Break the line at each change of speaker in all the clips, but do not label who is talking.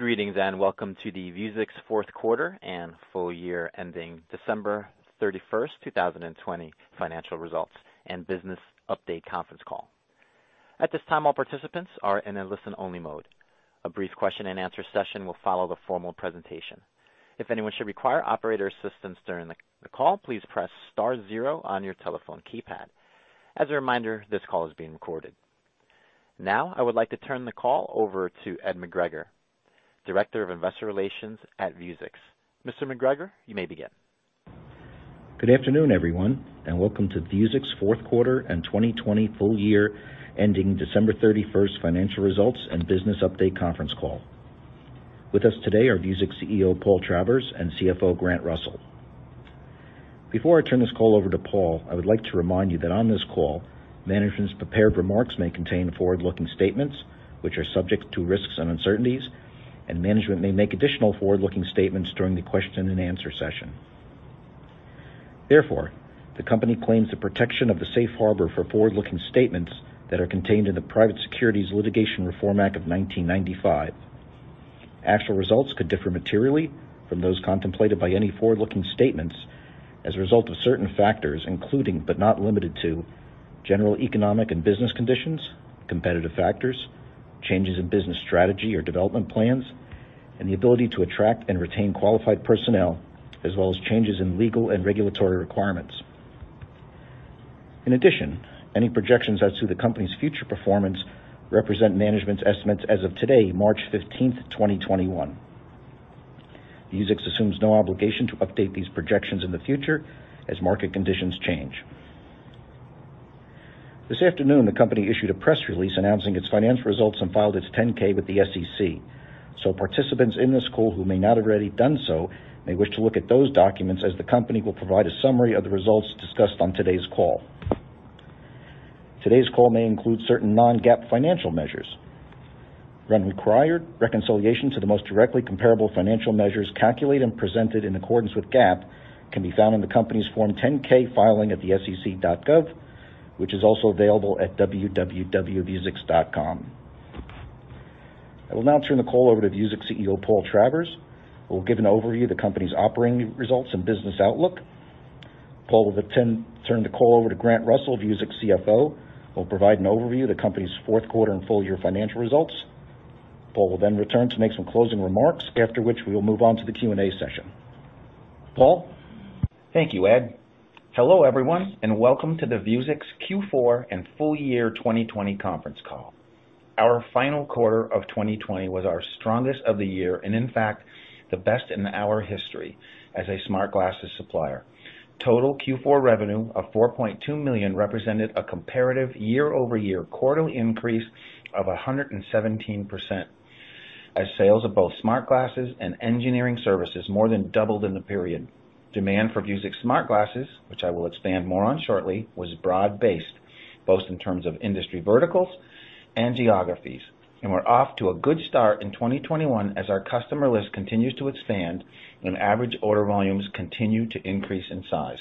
Greetings, and welcome to the Vuzix fourth quarter and full year ending December 31st, 2020 financial results and business update conference call. Now, I would like to turn the call over to Ed McGregor, Director of Investor Relations at Vuzix. Mr. McGregor, you may begin.
Good afternoon, everyone, and welcome to Vuzix fourth quarter and 2020 full year ending December 31st financial results and business update conference call. With us today are Vuzix CEO, Paul Travers, and CFO, Grant Russell. Before I turn this call over to Paul, I would like to remind you that on this call, management's prepared remarks may contain forward-looking statements which are subject to risks and uncertainties, and management may make additional forward-looking statements during the question and answer session. Therefore, the company claims the protection of the safe harbor for forward-looking statements that are contained in the Private Securities Litigation Reform Act of 1995. Actual results could differ materially from those contemplated by any forward-looking statements as a result of certain factors, including, but not limited to, general economic and business conditions, competitive factors, changes in business strategy or development plans, and the ability to attract and retain qualified personnel, as well as changes in legal and regulatory requirements. In addition, any projections as to the company's future performance represent management's estimates as of today, March 15th, 2021. Vuzix assumes no obligation to update these projections in the future as market conditions change. This afternoon, the company issued a press release announcing its financial results and filed its 10-K with the SEC. Participants in this call who may not have already done so may wish to look at those documents, as the company will provide a summary of the results discussed on today's call. Today's call may include certain non-GAAP financial measures. When required, reconciliation to the most directly comparable financial measures calculated and presented in accordance with GAAP can be found in the company's Form 10-K filing at the SEC.gov, which is also available at www.vuzix.com. I will now turn the call over to Vuzix CEO, Paul Travers, who will give an overview of the company's operating results and business outlook. Paul will then turn the call over to Grant Russell, Vuzix CFO, who will provide an overview of the company's fourth quarter and full year financial results. Paul will then return to make some closing remarks, after which we will move on to the Q&A session. Paul?
Thank you, Ed. Hello, everyone. Welcome to the Vuzix Q4 and full year 2020 conference call. Our final quarter of 2020 was our strongest of the year, and in fact, the best in our history as a smart glasses supplier. Total Q4 revenue of $4.2 million represented a comparative year-over-year quarterly increase of 117%, as sales of both smart glasses and engineering services more than doubled in the period. Demand for Vuzix smart glasses, which I will expand more on shortly, was broad-based, both in terms of industry verticals and geographies. We're off to a good start in 2020 as our customer list continues to expand and average order volumes continue to increase in size.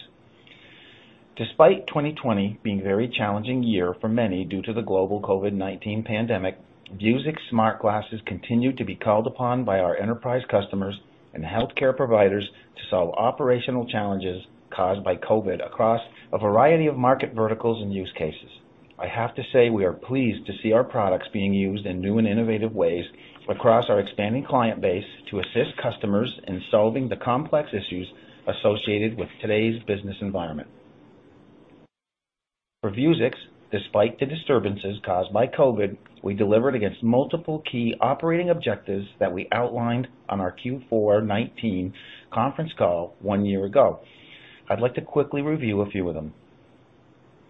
Despite 2020 being a very challenging year for many due to the global COVID-19 pandemic, Vuzix smart glasses continued to be called upon by our enterprise customers and healthcare providers to solve operational challenges caused by COVID across a variety of market verticals and use cases. I have to say, we are pleased to see our products being used in new and innovative ways across our expanding client base to assist customers in solving the complex issues associated with today's business environment. For Vuzix, despite the disturbances caused by COVID, we delivered against multiple key operating objectives that we outlined on our Q4 '19 conference call one year ago. I'd like to quickly review a few of them.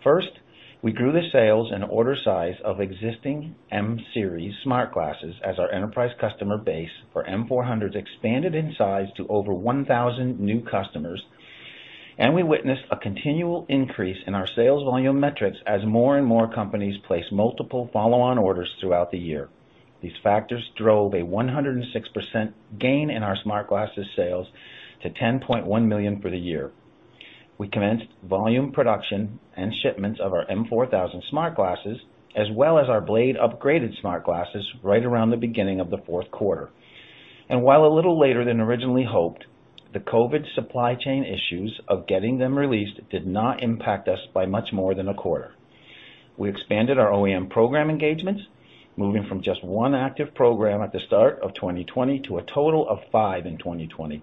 First, we grew the sales and order size of existing M-Series smart glasses as our enterprise customer base for M400 expanded in size to over 1,000 new customers. We witnessed a continual increase in our sales volume metrics as more and more companies placed multiple follow-on orders throughout the year. These factors drove a 106% gain in our smart glasses sales to $10.1 million for the year. We commenced volume production and shipments of our M4000 smart glasses, as well as our Blade Upgraded smart glasses right around the beginning of the fourth quarter. While a little later than originally hoped, the COVID-19 supply chain issues of getting them released did not impact us by much more than a quarter. We expanded our OEM program engagements, moving from just one active program at the start of 2020 to a total of five in 2020,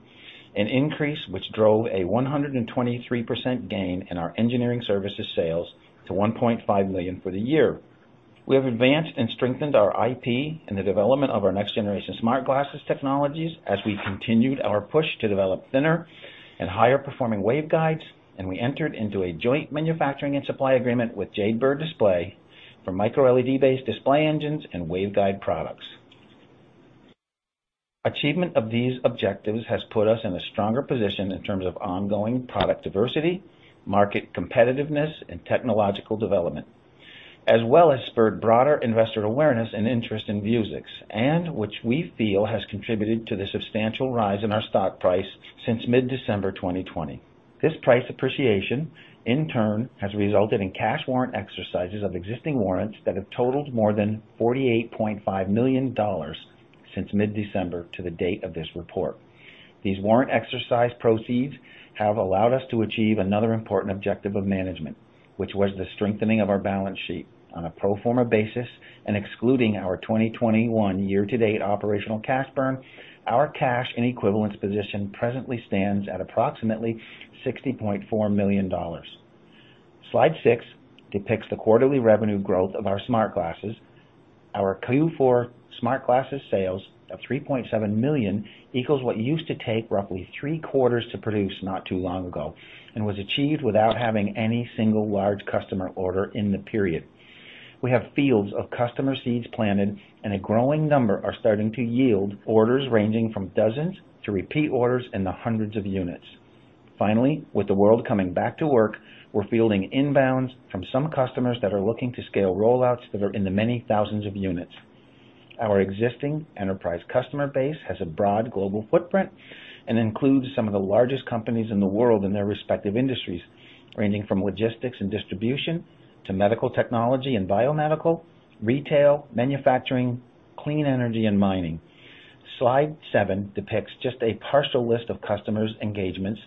an increase which drove a 123% gain in our engineering services sales to $1.5 million for the year. We have advanced and strengthened our IP and the development of our next generation smart glasses technologies as we continued our push to develop thinner and higher-performing waveguides, and we entered into a joint manufacturing and supply agreement with Jade Bird Display for microLED-based display engines and waveguide products. Achievement of these objectives has put us in a stronger position in terms of ongoing product diversity, market competitiveness, and technological development, as well as spurred broader investor awareness and interest in Vuzix, and which we feel has contributed to the substantial rise in our stock price since mid-December 2020. This price appreciation in turn has resulted in cash warrant exercises of existing warrants that have totaled more than $48.5 million since mid-December to the date of this report. These warrant exercise proceeds have allowed us to achieve another important objective of management, which was the strengthening of our balance sheet. On a pro forma basis and excluding our 2021 year-to-date operational cash burn, our cash and equivalents position presently stands at approximately $60.4 million. Slide six depicts the quarterly revenue growth of our smart glasses. Our Q4 smart glasses sales of $3.7 million equals what used to take roughly three quarters to produce not too long ago, and was achieved without having any single large customer order in the period. We have fields of customer seeds planted and a growing number are starting to yield orders ranging from dozens to repeat orders in the hundreds of units. Finally, with the world coming back to work, we're fielding inbounds from some customers that are looking to scale rollouts that are in the many thousands of units. Our existing enterprise customer base has a broad global footprint and includes some of the largest companies in the world in their respective industries, ranging from logistics and distribution to medical technology and biomedical, retail, manufacturing, clean energy, and mining. Slide seven depicts just a partial list of customers engagements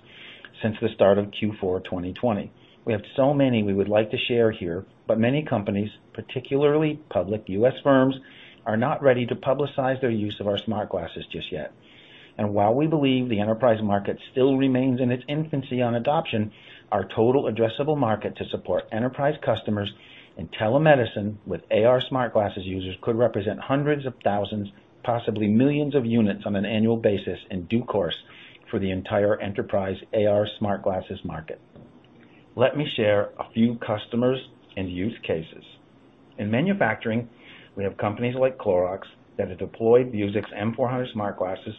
since the start of Q4 2020. We have so many we would like to share here, but many companies, particularly public U.S. firms, are not ready to publicize their use of our smart glasses just yet. While we believe the enterprise market still remains in its infancy on adoption, our total addressable market to support enterprise customers in telemedicine with AR smart glasses users could represent hundreds of thousands, possibly millions of units on an annual basis in due course for the entire enterprise AR smart glasses market. Let me share a few customers and use cases. In manufacturing, we have companies like Clorox that have deployed Vuzix M400 smart glasses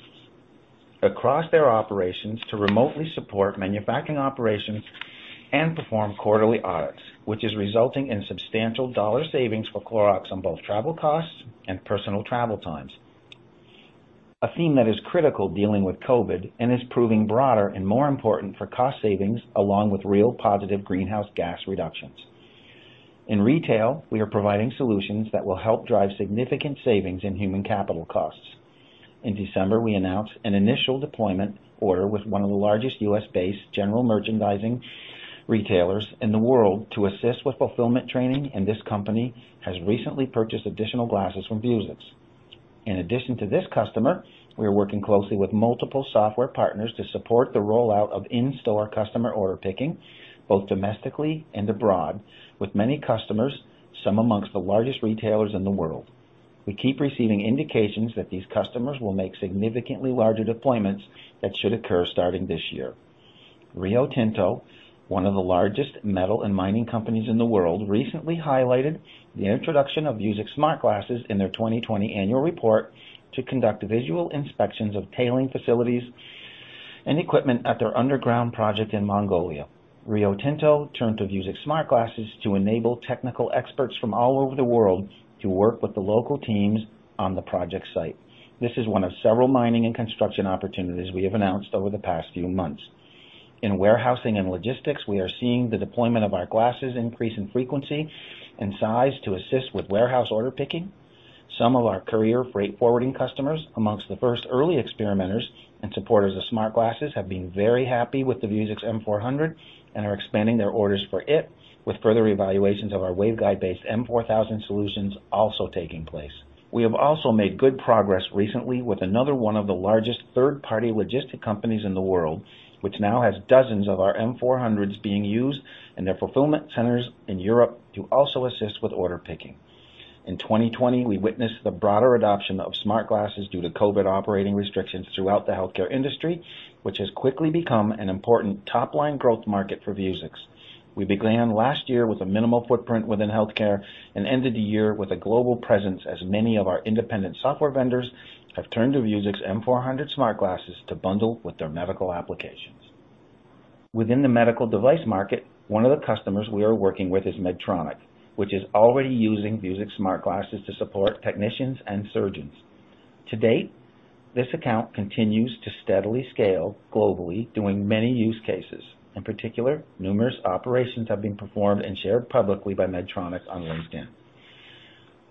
across their operations to remotely support manufacturing operations and perform quarterly audits, which is resulting in substantial dollar savings for Clorox on both travel costs and personal travel times. A theme that is critical dealing with COVID, and is proving broader and more important for cost savings along with real positive greenhouse gas reductions. In retail, we are providing solutions that will help drive significant savings in human capital costs. In December, we announced an initial deployment order with one of the largest U.S.-based general merchandising retailers in the world to assist with fulfillment training, and this company has recently purchased additional glasses from Vuzix. In addition to this customer, we are working closely with multiple software partners to support the rollout of in-store customer order picking, both domestically and abroad with many customers, some amongst the largest retailers in the world. We keep receiving indications that these customers will make significantly larger deployments that should occur starting this year. Rio Tinto, one of the largest metal and mining companies in the world, recently highlighted the introduction of Vuzix smart glasses in their 2020 annual report to conduct visual inspections of tailing facilities and equipment at their underground project in Mongolia. Rio Tinto turned to Vuzix smart glasses to enable technical experts from all over the world to work with the local teams on the project site. This is one of several mining and construction opportunities we have announced over the past few months. In warehousing and logistics, we are seeing the deployment of our glasses increase in frequency and size to assist with warehouse order picking. Some of our courier freight forwarding customers, amongst the first early experimenters and supporters of smart glasses, have been very happy with the Vuzix M400 and are expanding their orders for it with further evaluations of our waveguide-based M4000 solutions also taking place. We have also made good progress recently with another one of the largest third-party logistic companies in the world, which now has dozens of our M400s being used in their fulfillment centers in Europe to also assist with order picking. In 2020, we witnessed the broader adoption of smart glasses due to COVID operating restrictions throughout the healthcare industry, which has quickly become an important top-line growth market for Vuzix. We began last year with a minimal footprint within healthcare and ended the year with a global presence as many of our independent software vendors have turned to Vuzix M400 smart glasses to bundle with their medical applications. Within the medical device market, one of the customers we are working with is Medtronic, which is already using Vuzix smart glasses to support technicians and surgeons. To date, this account continues to steadily scale globally doing many use cases. In particular, numerous operations have been performed and shared publicly by Medtronic on LinkedIn.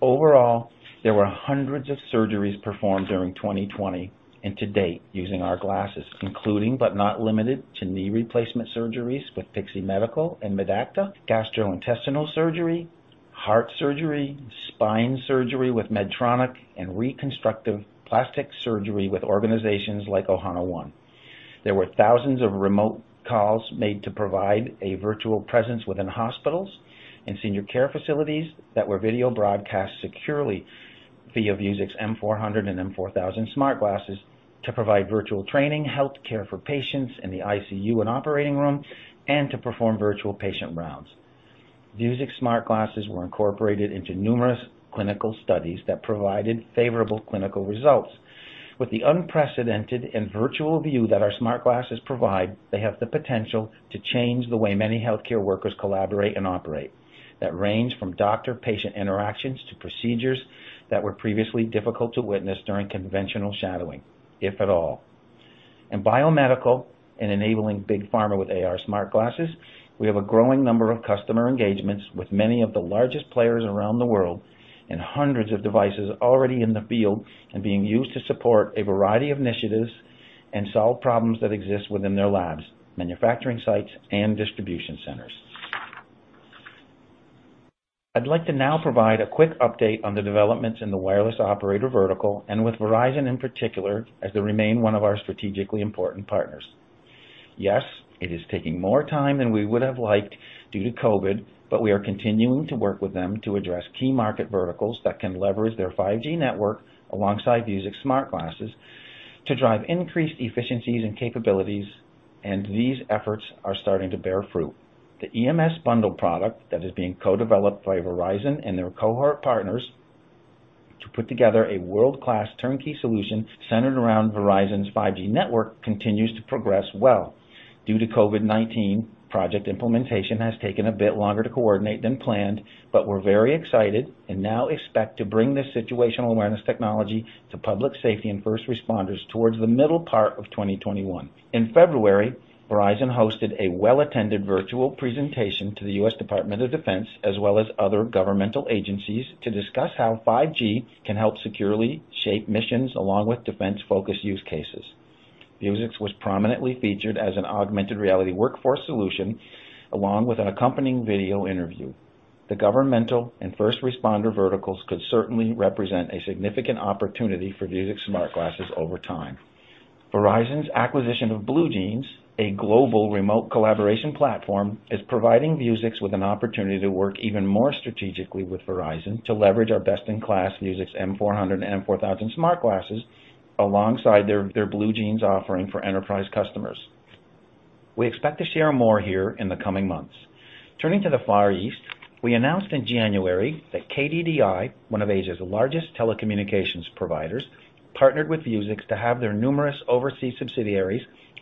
Overall, there were hundreds of surgeries performed during 2020 and to date using our glasses, including but not limited to knee replacement surgeries with Pixee Medical and Medacta, gastrointestinal surgery, heart surgery, spine surgery with Medtronic, and reconstructive plastic surgery with organizations like Ohana One. There were thousands of remote calls made to provide a virtual presence within hospitals and senior care facilities that were video broadcast securely via Vuzix M400 and M4000 smart glasses to provide virtual training, healthcare for patients in the ICU and operating room, and to perform virtual patient rounds. Vuzix smart glasses were incorporated into numerous clinical studies that provided favorable clinical results. With the unprecedented and virtual view that our smart glasses provide, they have the potential to change the way many healthcare workers collaborate and operate, that range from doctor-patient interactions to procedures that were previously difficult to witness during conventional shadowing, if at all. In biomedical and enabling big pharma with AR smart glasses, we have a growing number of customer engagements with many of the largest players around the world and hundreds of devices already in the field and being used to support a variety of initiatives and solve problems that exist within their labs, manufacturing sites, and distribution centers. I'd like to now provide a quick update on the developments in the wireless operator vertical and with Verizon in particular, as they remain one of our strategically important partners. Yes, it is taking more time than we would have liked due to COVID-19. We are continuing to work with them to address key market verticals that can leverage their 5G network alongside Vuzix smart glasses to drive increased efficiencies and capabilities. These efforts are starting to bear fruit. The EMS bundle product that is being co-developed by Verizon and their cohort partners to put together a world-class turnkey solution centered around Verizon's 5G network continues to progress well. Due to COVID-19, project implementation has taken a bit longer to coordinate than planned. We're very excited and now expect to bring this situational awareness technology to public safety and first responders towards the middle part of 2021. In February, Verizon hosted a well-attended virtual presentation to the U.S. Department of Defense, as well as other governmental agencies, to discuss how 5G can help securely shape missions along with defense-focused use cases. Vuzix was prominently featured as an augmented reality workforce solution along with an accompanying video interview. The governmental and first responder verticals could certainly represent a significant opportunity for Vuzix smart glasses over time. Verizon's acquisition of BlueJeans, a global remote collaboration platform, is providing Vuzix with an opportunity to work even more strategically with Verizon to leverage our best-in-class Vuzix M400 and M4000 smart glasses alongside their BlueJeans offering for enterprise customers. We expect to share more here in the coming months. Turning to the Far East, we announced in January that KDDI, one of Asia's largest telecommunications providers, partnered with Vuzix to have their numerous overseas subsidiaries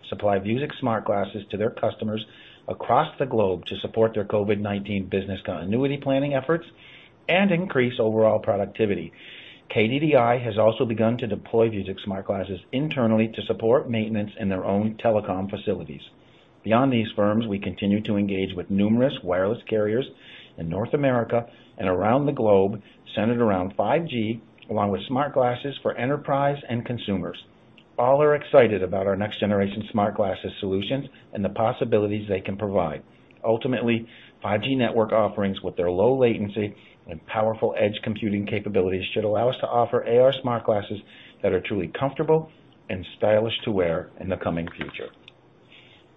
supply Vuzix smart glasses to their customers across the globe to support their COVID-19 business continuity planning efforts and increase overall productivity. KDDI has also begun to deploy Vuzix smart glasses internally to support maintenance in their own telecom facilities. Beyond these firms, we continue to engage with numerous wireless carriers in North America and around the globe, centered around 5G, along with smart glasses for enterprise and consumers. All are excited about our next generation smart glasses solutions and the possibilities they can provide. Ultimately, 5G network offerings with their low latency and powerful edge computing capabilities should allow us to offer AR smart glasses that are truly comfortable and stylish to wear in the coming future.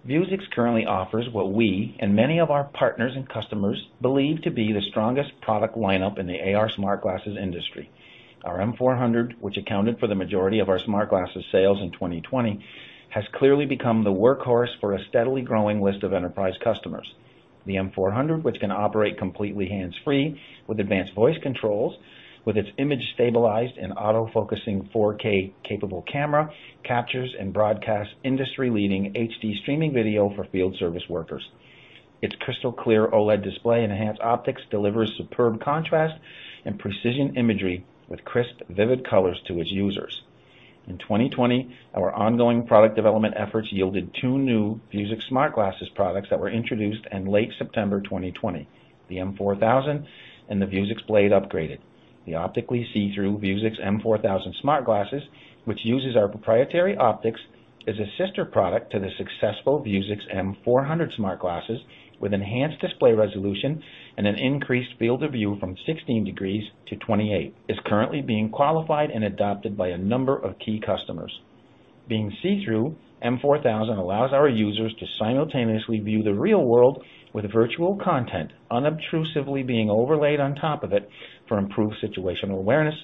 Vuzix currently offers what we and many of our partners and customers believe to be the strongest product lineup in the AR smart glasses industry. Our M400, which accounted for the majority of our smart glasses sales in 2020, has clearly become the workhorse for a steadily growing list of enterprise customers. The M400, which can operate completely hands-free with advanced voice controls, with its image-stabilized and auto-focusing 4K-capable camera, captures and broadcasts industry-leading HD streaming video for field service workers. Its crystal-clear OLED display enhanced optics delivers superb contrast and precision imagery with crisp, vivid colors to its users. In 2020, our ongoing product development efforts yielded two new Vuzix smart glasses products that were introduced in late September 2020, the M4000 and the Vuzix Blade Upgraded. The optically see-through Vuzix M4000 smart glasses, which uses our proprietary optics, is a sister product to the successful Vuzix M400 smart glasses with enhanced display resolution and an increased field of view from 16° to 28. It's currently being qualified and adopted by a number of key customers. Being see-through, M4000 allows our users to simultaneously view the real world with virtual content unobtrusively being overlaid on top of it for improved situational awareness,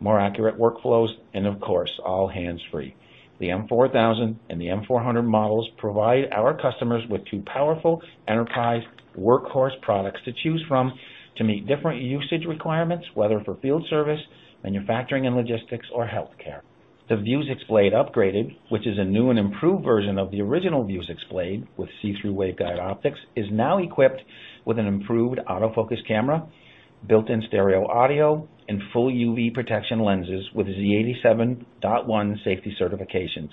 more accurate workflows, and of course, all hands-free. The M4000 and the M400 models provide our customers with two powerful enterprise workhorse products to choose from to meet different usage requirements, whether for field service, manufacturing and logistics, or healthcare. The Vuzix Blade Upgraded, which is a new and improved version of the original Vuzix Blade with see-through waveguide optics, is now equipped with an improved autofocus camera, built-in stereo audio, and full UV protection lenses with Z87.1 safety certifications,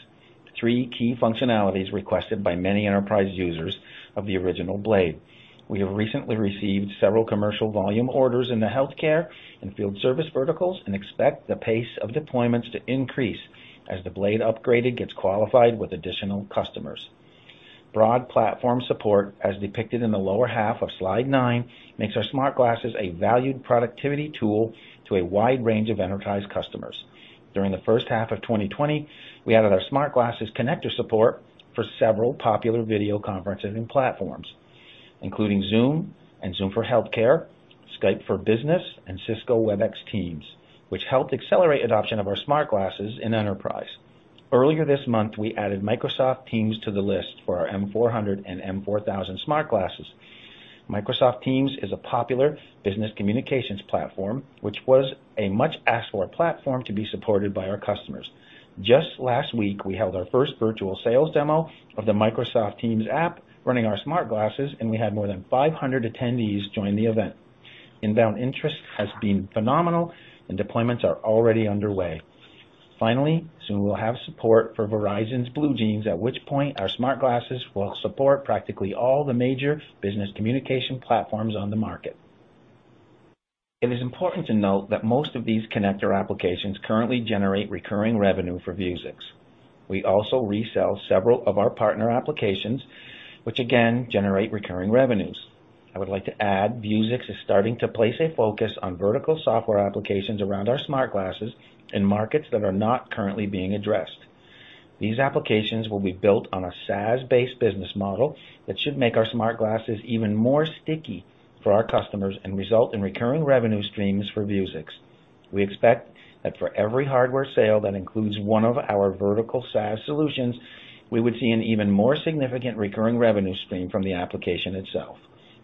three key functionalities requested by many enterprise users of the original Blade. We have recently received several commercial volume orders in the healthcare and field service verticals and expect the pace of deployments to increase as the Blade Upgraded gets qualified with additional customers. Broad platform support, as depicted in the lower half of slide nine, makes our smart glasses a valued productivity tool to a wide range of enterprise customers. During the first half of 2020, we added our smart glasses connector support for several popular video conferencing platforms, including Zoom and Zoom for Healthcare, Skype for Business, and Cisco Webex Teams, which helped accelerate adoption of our smart glasses in enterprise. Earlier this month, we added Microsoft Teams to the list for our M400 and M4000 smart glasses. Microsoft Teams is a popular business communications platform, which was a much asked-for platform to be supported by our customers. Just last week, we held our first virtual sales demo of the Microsoft Teams app running our smart glasses, and we had more than 500 attendees join the event. Inbound interest has been phenomenal and deployments are already underway. Soon we'll have support for Verizon's BlueJeans, at which point our smart glasses will support practically all the major business communication platforms on the market. It is important to note that most of these connector applications currently generate recurring revenue for Vuzix. We also resell several of our partner applications, which again, generate recurring revenues. I would like to add, Vuzix is starting to place a focus on vertical software applications around our smart glasses in markets that are not currently being addressed. These applications will be built on a SaaS-based business model that should make our smart glasses even more sticky for our customers and result in recurring revenue streams for Vuzix. We expect that for every hardware sale that includes one of our vertical SaaS solutions, we would see an even more significant recurring revenue stream from the application itself.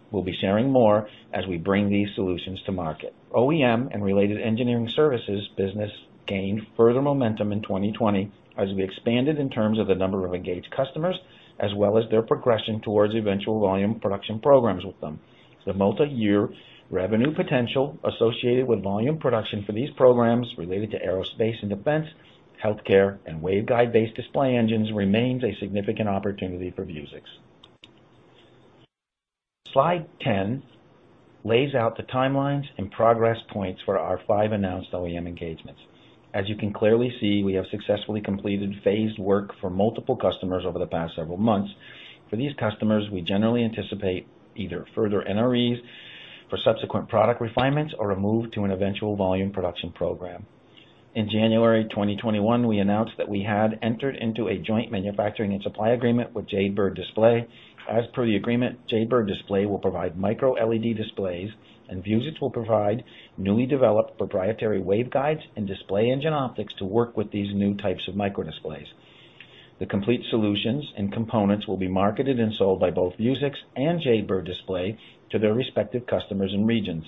We'll be sharing more as we bring these solutions to market. OEM and related engineering services business gained further momentum in 2020 as we expanded in terms of the number of engaged customers, as well as their progression towards eventual volume production programs with them. The multi-year revenue potential associated with volume production for these programs related to aerospace and defense, healthcare, and waveguide-based display engines remains a significant opportunity for Vuzix. Slide 10 lays out the timelines and progress points for our five announced OEM engagements. As you can clearly see, we have successfully completed phased work for multiple customers over the past several months. For these customers, we generally anticipate either further NREs for subsequent product refinements or a move to an eventual volume production program. In January 2021, we announced that we had entered into a joint manufacturing and supply agreement with Jade Bird Display. As per the agreement, Jade Bird Display will provide microLED displays, and Vuzix will provide newly developed proprietary waveguides and display engine optics to work with these new types of microdisplays. The complete solutions and components will be marketed and sold by both Vuzix and Jade Bird Display to their respective customers and regions.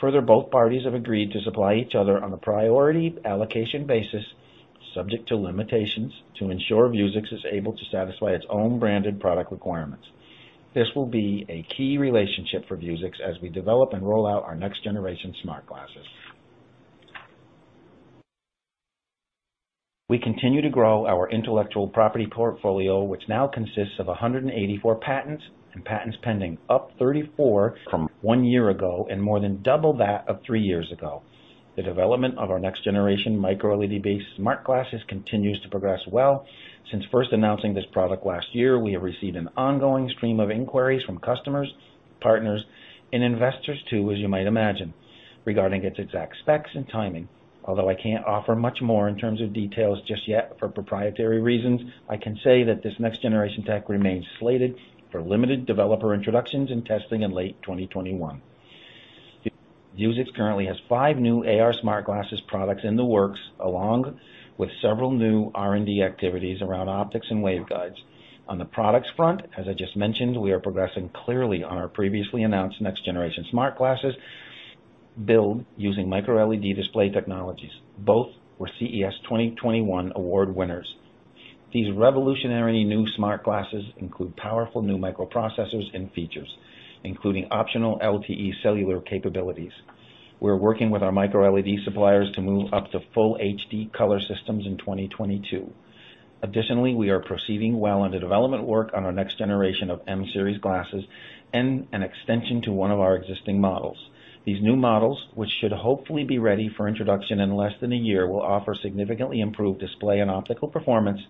Both parties have agreed to supply each other on a priority allocation basis, subject to limitations, to ensure Vuzix is able to satisfy its own branded product requirements. This will be a key relationship for Vuzix as we develop and roll out our next generation smart glasses. We continue to grow our intellectual property portfolio, which now consists of 184 patents and patents pending, up 34 from one year ago, and more than double that of three years ago. The development of our next generation microLED-based smart glasses continues to progress well. Since first announcing this product last year, we have received an ongoing stream of inquiries from customers, partners, and investors too, as you might imagine, regarding its exact specs and timing. Although I can't offer much more in terms of details just yet for proprietary reasons, I can say that this next generation tech remains slated for limited developer introductions and testing in late 2021. Vuzix currently has five new AR smart glasses products in the works, along with several new R&D activities around optics and waveguides. On the products front, as I just mentioned, we are progressing clearly on our previously announced next generation smart glasses build using microLED display technologies. Both were CES 2021 award winners. These revolutionary new smart glasses include powerful new microprocessors and features, including optional LTE cellular capabilities. We're working with our microLED suppliers to move up to full HD color systems in 2022. Additionally, we are proceeding well under development work on our next generation of M-Series glasses and an extension to one of our existing models. These new models, which should hopefully be ready for introduction in less than a year, will offer significantly improved display and optical performance,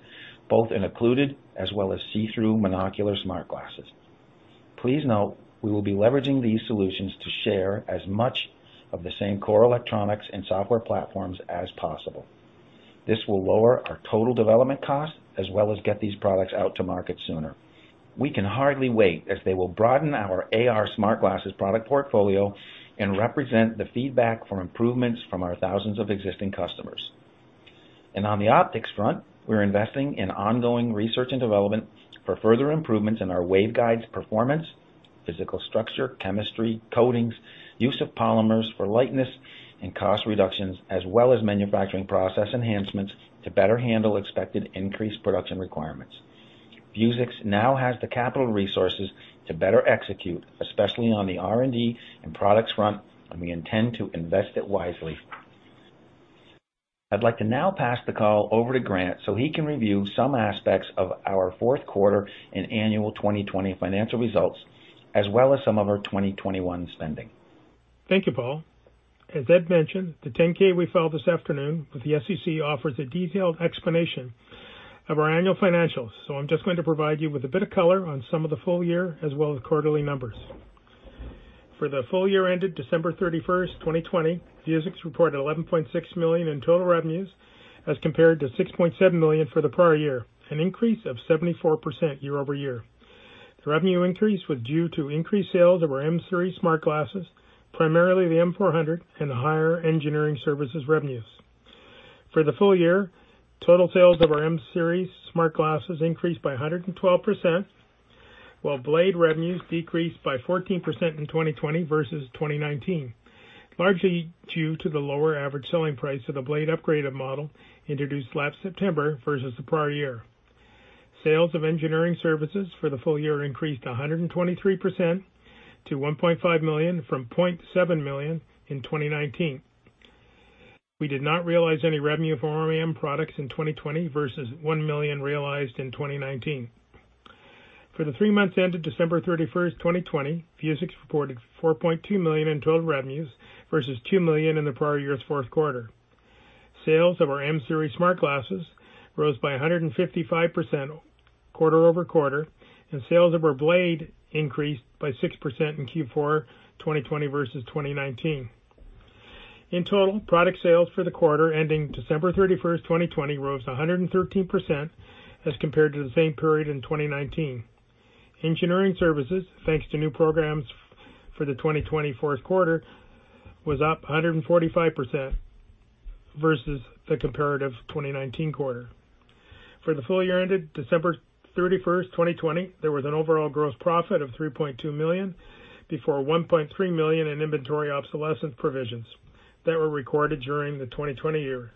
both in occluded as well as see-through monocular smart glasses. Please note, we will be leveraging these solutions to share as much of the same core electronics and software platforms as possible. This will lower our total development cost, as well as get these products out to market sooner. We can hardly wait as they will broaden our AR smart glasses product portfolio and represent the feedback for improvements from our thousands of existing customers. On the optics front, we're investing in ongoing research and development for further improvements in our waveguides' performance, physical structure, chemistry, coatings, use of polymers for lightness and cost reductions, as well as manufacturing process enhancements to better handle expected increased production requirements. Vuzix now has the capital resources to better execute, especially on the R&D and products front, and we intend to invest it wisely. I'd like to now pass the call over to Grant so he can review some aspects of our fourth quarter and annual 2020 financial results, as well as some of our 2021 spending.
Thank you, Paul. As Ed mentioned, the 10-K we filed this afternoon with the SEC offers a detailed explanation of our annual financials. I'm just going to provide you with a bit of color on some of the full year as well as quarterly numbers. For the full year ended December 31st, 2020, Vuzix reported $11.6 million in total revenues as compared to $6.7 million for the prior year, an increase of 74% year-over-year. The revenue increase was due to increased sales of our M-Series smart glasses, primarily the M400, and higher engineering services revenues. For the full year, total sales of our M-Series smart glasses increased by 112%, while Blade revenues decreased by 14% in 2020 versus 2019, largely due to the lower average selling price of the Blade Upgraded model introduced last September versus the prior year. Sales of engineering services for the full year increased 123% to $1.5 million from $0.7 million in 2019. We did not realize any revenue from our M-products in 2020 versus $1 million realized in 2019. For the 3 months ended December 31st, 2020, Vuzix reported $4.2 million in total revenues versus $2 million in the prior year's fourth quarter. Sales of our M-Series smart glasses rose by 155% quarter-over-quarter, and sales of our Blade increased by 6% in Q4 2020 versus 2019. In total, product sales for the quarter ending December 31st, 2020, rose 113% as compared to the same period in 2019. Engineering services, thanks to new programs for the 2020 fourth quarter, was up 145% versus the comparative 2019 quarter. For the full year ended December 31st, 2020, there was an overall gross profit of $3.2 million before $1.3 million in inventory obsolescence provisions that were recorded during the 2020 year.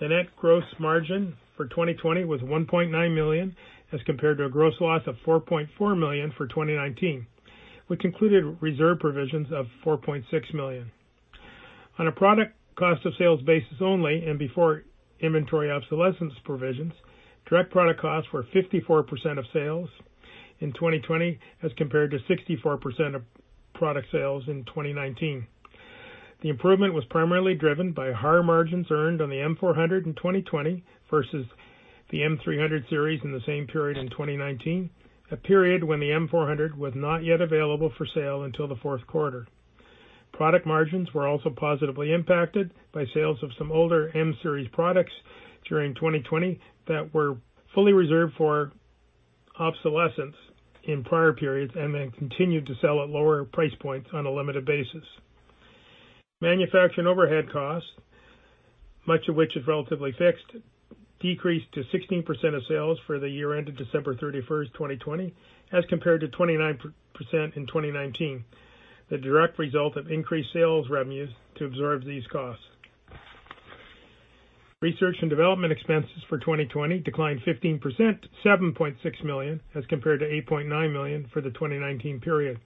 The net gross margin for 2020 was $1.9 million, as compared to a gross loss of $4.4 million for 2019, which included reserve provisions of $4.6 million. On a product cost of sales basis only and before inventory obsolescence provisions, direct product costs were 54% of sales in 2020 as compared to 64% of product sales in 2019. The improvement was primarily driven by higher margins earned on the M400 in 2020 versus the M300 series in the same period in 2019, a period when the M400 was not yet available for sale until the fourth quarter. Product margins were also positively impacted by sales of some older M-Series products during 2020 that were fully reserved for obsolescence in prior periods and then continued to sell at lower price points on a limited basis. Manufacturing overhead costs, much of which is relatively fixed, decreased to 16% of sales for the year ended December 31st, 2020 as compared to 29% in 2019, the direct result of increased sales revenues to absorb these costs. Research and development expenses for 2020 declined 15%, $7.6 million as compared to $8.9 million for the 2019 period.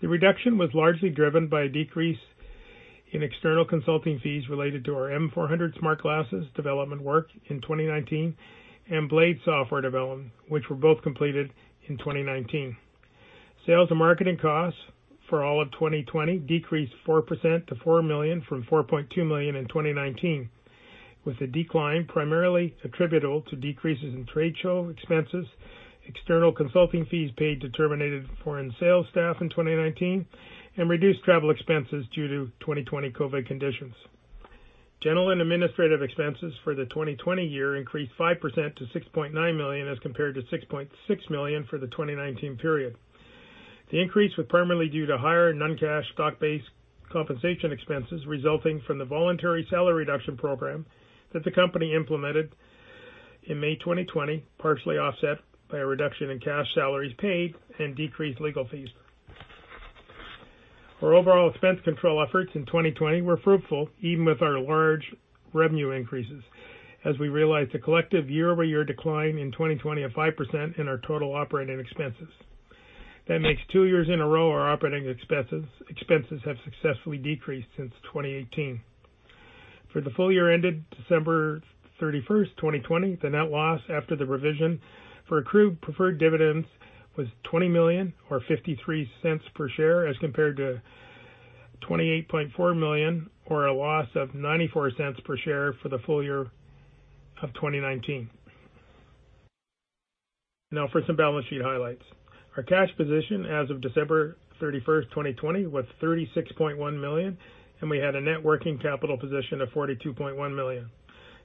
The reduction was largely driven by a decrease in external consulting fees related to our M400 smart glasses development work in 2019 and Blade software development, which were both completed in 2019. Sales and marketing costs for all of 2020 decreased 4% to $4 million from $4.2 million in 2019, with the decline primarily attributable to decreases in trade show expenses, external consulting fees paid to terminated foreign sales staff in 2019, and reduced travel expenses due to 2020 COVID conditions. General and administrative expenses for the 2020 year increased 5% to $6.9 million as compared to $6.6 million for the 2019 period. The increase was primarily due to higher non-cash stock-based compensation expenses resulting from the voluntary salary reduction program that the company implemented in May 2020, partially offset by a reduction in cash salaries paid and decreased legal fees. Our overall expense control efforts in 2020 were fruitful even with our large revenue increases, as we realized a collective year-over-year decline in 2020 of 5% in our total operating expenses. That makes two years in a row our operating expenses have successfully decreased since 2018. For the full year ended December 31st, 2020, the net loss after the revision for accrued preferred dividends was $20 million, or $0.53 per share, as compared to $28.4 million, or a loss of $0.94 per share for the full year of 2019. Now for some balance sheet highlights. Our cash position as of December 31st, 2020, was $36.1 million, and we had a net working capital position of $42.1 million.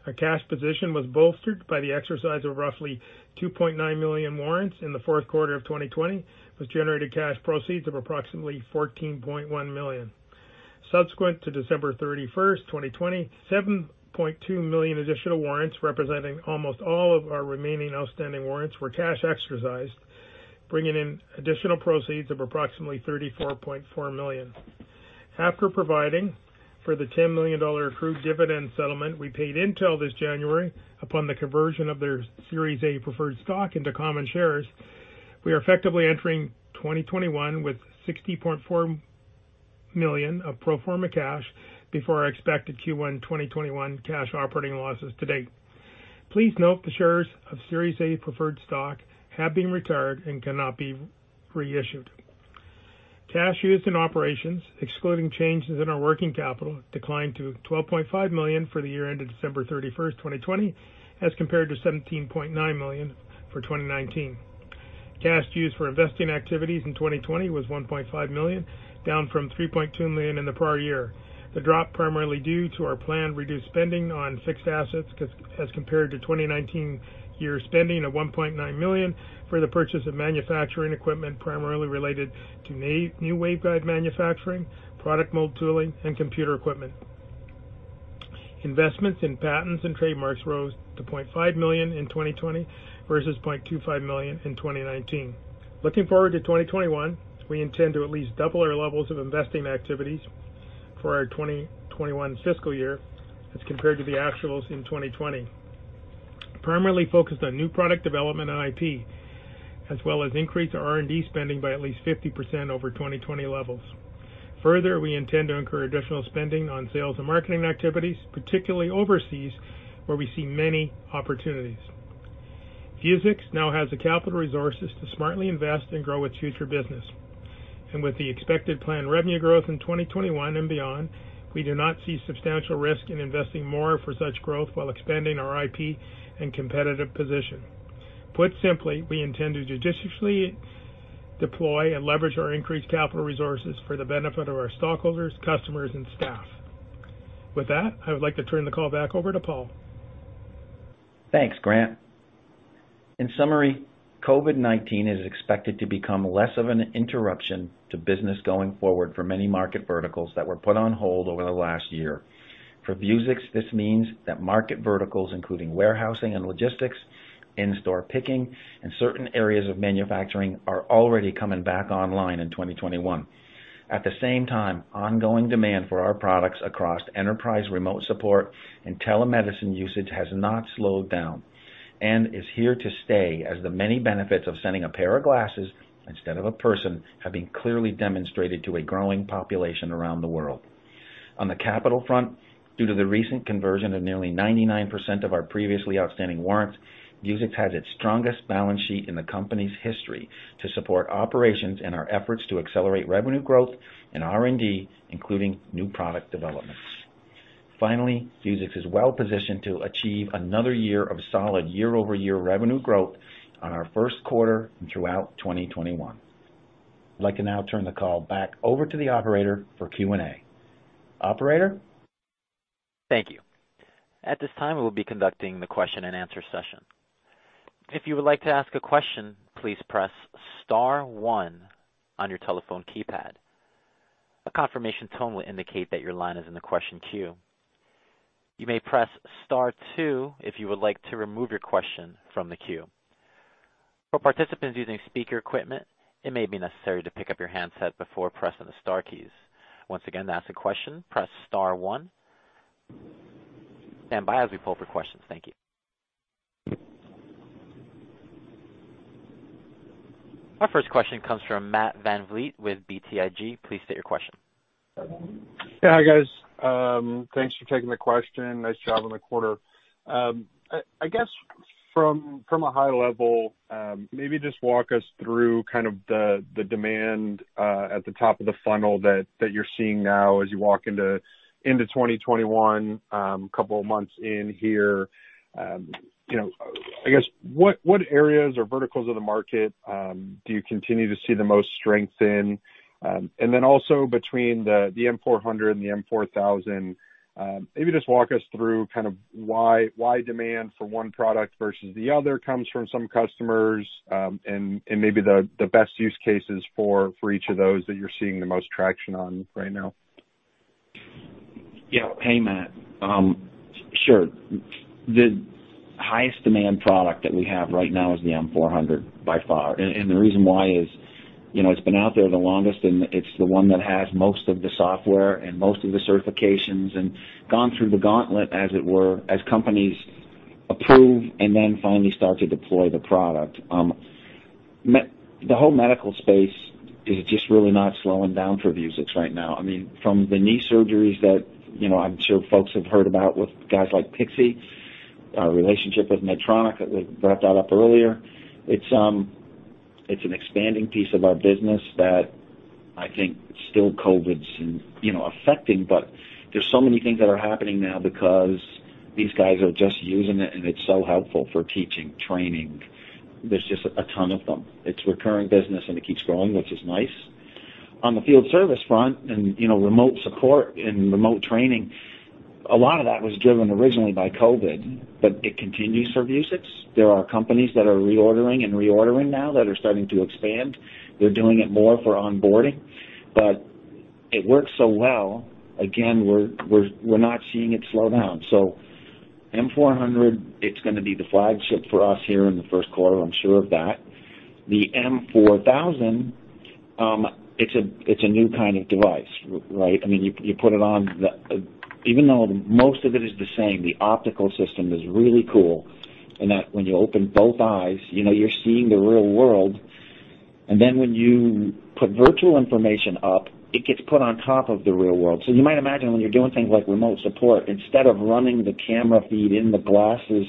Our cash position was bolstered by the exercise of roughly $2.9 million warrants in the fourth quarter of 2020, which generated cash proceeds of approximately $14.1 million. Subsequent to December 31st, 2020, $7.2 million additional warrants representing almost all of our remaining outstanding warrants were cash exercised, bringing in additional proceeds of approximately $34.4 million. After providing for the $10 million accrued dividend settlement we paid Intel this January upon the conversion of their Series A preferred stock into common shares, we are effectively entering 2021 with $60.4 million of pro forma cash before our expected Q1 2021 cash operating losses to date. Please note the shares of Series A preferred stock have been retired and cannot be reissued. Cash used in operations, excluding changes in our working capital, declined to $12.5 million for the year ended December 31st, 2020 as compared to $17.9 million for 2019. Cash used for investing activities in 2020 was $1.5 million, down from $3.2 million in the prior year. The drop primarily due to our planned reduced spending on fixed assets as compared to 2019 year spending of $1.9 million for the purchase of manufacturing equipment primarily related to new waveguide manufacturing, product mold tooling, and computer equipment. Investments in patents and trademarks rose to $0.5 million in 2020 versus $0.25 million in 2019. Looking forward to 2021, we intend to at least double our levels of investing activities for our 2021 fiscal year, as compared to the actuals in 2020. Primarily focused on new product development and IP, as well as increase our R&D spending by at least 50% over 2020 levels. Further, we intend to incur additional spending on sales and marketing activities, particularly overseas, where we see many opportunities. Vuzix now has the capital resources to smartly invest and grow its future business. With the expected planned revenue growth in 2021 and beyond, we do not see substantial risk in investing more for such growth while expanding our IP and competitive position. Put simply, we intend to judiciously deploy and leverage our increased capital resources for the benefit of our stockholders, customers, and staff. With that, I would like to turn the call back over to Paul.
Thanks, Grant. In summary, COVID-19 is expected to become less of an interruption to business going forward for many market verticals that were put on hold over the last year. For Vuzix, this means that market verticals, including warehousing and logistics, in-store picking, and certain areas of manufacturing, are already coming back online in 2021. At the same time, ongoing demand for our products across enterprise remote support and telemedicine usage has not slowed down and is here to stay as the many benefits of sending a pair of glasses instead of a person have been clearly demonstrated to a growing population around the world. On the capital front, due to the recent conversion of nearly 99% of our previously outstanding warrants, Vuzix has its strongest balance sheet in the company's history to support operations and our efforts to accelerate revenue growth and R&D, including new product developments. Vuzix is well-positioned to achieve another year of solid year-over-year revenue growth on our first quarter and throughout 2021. I'd like to now turn the call back over to the operator for Q&A. Operator?
Thank you. At this time, we will be conducting the question-and-answer session. If you would like to ask a question, please press star one on your telephone keypad. A confirmation tone will indicate that your line is in the question queue. You may press star two if you would like to remove your question from the queue. For participants using speaker equipment, it may be necessary to pick up your handset before pressing the star keys. Once again, to ask a question, press star one. Stand by as we poll for questions. Thank you. Our first question comes from Matt VanVliet with BTIG. Please state your question.
Yeah. Hi, guys. Thanks for taking the question. Nice job on the quarter. I guess from a high level, maybe just walk us through kind of the demand at the top of the funnel that you're seeing now as you walk into 2021, a couple of months in here. I guess, what areas or verticals of the market do you continue to see the most strength in? Then also between the M400 and the M4000, maybe just walk us through kind of why demand for one product versus the other comes from some customers, and maybe the best use cases for each of those that you're seeing the most traction on right now.
Yeah. Hey, Matt. Sure. The highest demand product that we have right now is the M400 by far. The reason why is it's been out there the longest, and it's the one that has most of the software and most of the certifications and gone through the gauntlet, as it were, as companies approve and then finally start to deploy the product. The whole medical space is just really not slowing down for Vuzix right now. I mean, from the knee surgeries that I'm sure folks have heard about with guys like Pixee, our relationship with Medtronic, we brought that up earlier. It's an expanding piece of our business that I think still COVID's affecting, but there's so many things that are happening now because these guys are just using it, and it's so helpful for teaching, training. There's just a ton of them. It's recurring business, and it keeps growing, which is nice. On the field service front and remote support and remote training, a lot of that was driven originally by COVID, but it continues for Vuzix. There are companies that are reordering and reordering now that are starting to expand. They're doing it more for onboarding. It works so well, again, we're not seeing it slow down. M400, it's going to be the flagship for us here in the first quarter, I'm sure of that. The M4000, it's a new kind of device, right? I mean, you put it on, even though most of it is the same, the optical system is really cool in that when you open both eyes, you're seeing the real world. When you put virtual information up, it gets put on top of the real world. You might imagine when you're doing things like remote support, instead of running the camera feed in the glasses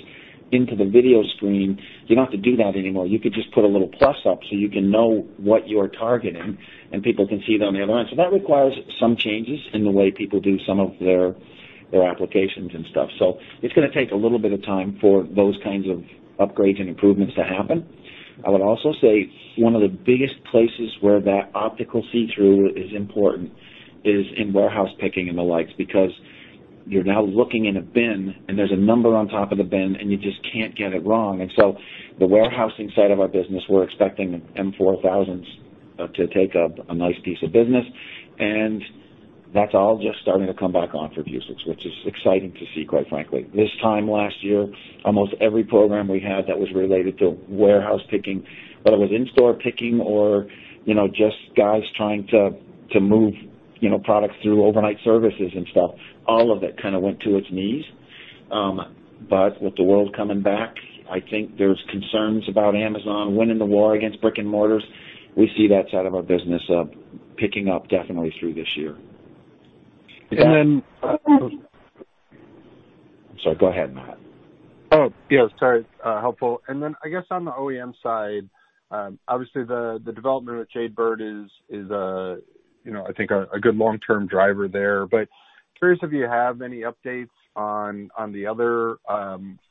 into the video screen, you don't have to do that anymore. You could just put a little plus up so you can know what you're targeting, and people can see it on the other end. That requires some changes in the way people do some of their applications and stuff. It's going to take a little bit of time for those kinds of upgrades and improvements to happen. I would also say one of the biggest places where that optical see-through is important is in warehouse picking and the likes, because you're now looking in a bin, and there's a number on top of the bin, and you just can't get it wrong. The warehousing side of our business, we're expecting the M4000s to take up a nice piece of business. That's all just starting to come back on for Vuzix, which is exciting to see, quite frankly. This time last year, almost every program we had that was related to warehouse picking, whether it was in-store picking or just guys trying to move products through overnight services and stuff, all of it kind of went to its knees. With the world coming back, I think there's concerns about Amazon winning the war against brick and mortars. We see that side of our business picking up definitely through this year.
And then-
Sorry, go ahead, Matthew.
Oh, yeah, sorry. Helpful. I guess on the OEM side, obviously the development with Jade Bird is, I think, a good long-term driver there. Curious if you have any updates on the other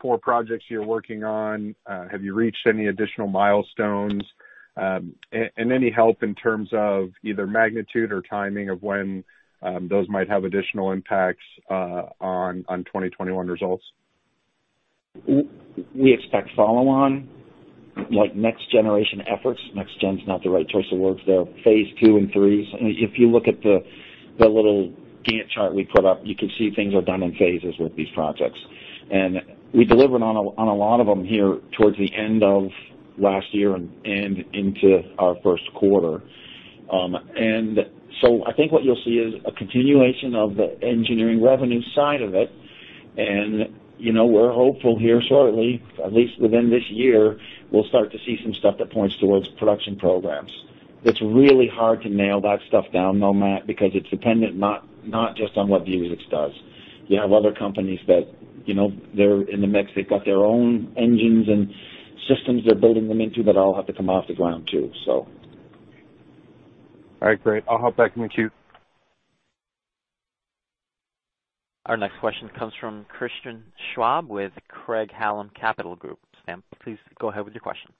four projects you're working on. Have you reached any additional milestones? Any help in terms of either magnitude or timing of when those might have additional impacts on 2021 results?
We expect follow-on, like next generation efforts. Next gen's not the right choice of words there. Phase two and three. If you look at the little Gantt chart we put up, you can see things are done in phases with these projects. We delivered on a lot of them here towards the end of last year and into our first quarter. I think what you'll see is a continuation of the engineering revenue side of it, and we're hopeful here shortly, at least within this year, we'll start to see some stuff that points towards production programs. It's really hard to nail that stuff down, though, Matt, because it's dependent not just on what Vuzix does. You have other companies that they're in the mix. They've got their own engines and systems they're building them into that all have to come off the ground too.
All right, great. I'll hop back in the queue.
Our next question comes from Christian Schwab with Craig-Hallum Capital Group. Schwab, please go ahead with your question.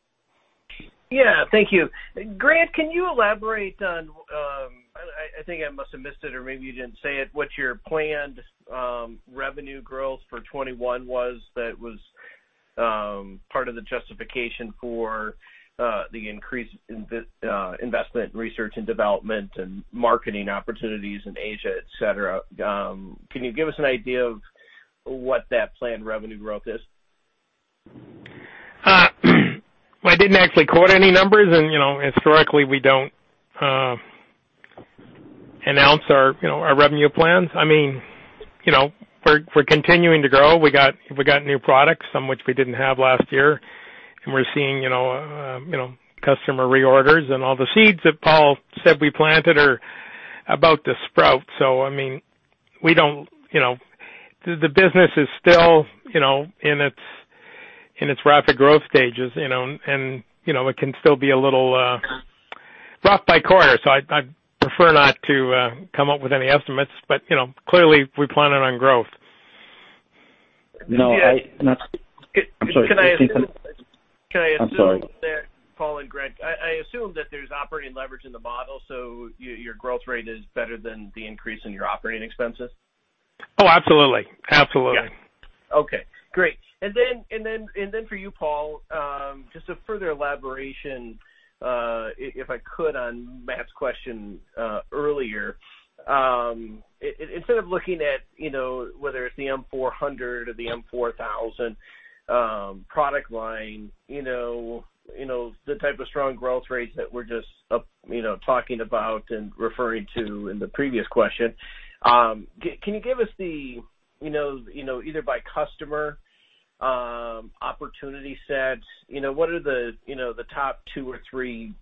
Yeah. Thank you. Grant, can you elaborate on, I think I must have missed it or maybe you didn't say it, what your planned revenue growth for 2021 was that was part of the justification for the increase in investment in research and development and marketing opportunities in Asia, et cetera. Can you give us an idea of what that planned revenue growth is?
I didn't actually quote any numbers, and historically, we don't announce our revenue plans. We're continuing to grow. We got new products, some which we didn't have last year, and we're seeing customer reorders, and all the seeds that Paul said we planted are about to sprout. The business is still in its rapid growth stages, and it can still be a little rough by quarter. I'd prefer not to come up with any estimates. Clearly, we're planning on growth.
No, I'm sorry.
Can I assume?
I'm sorry.
Paul and Grant, I assume that there's operating leverage in the model, so your growth rate is better than the increase in your operating expenses?
Oh, absolutely.
Yeah. Okay, great. For you, Paul, just a further elaboration, if I could, on Matt's question earlier. Instead of looking at whether it's the M400 or the M4000 product line, the type of strong growth rates that we're just talking about and referring to in the previous question, can you give us the, either by customer opportunity sets, what are the top 2 or 3